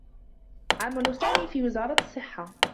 عمل سامي في وزارة الصّحّة.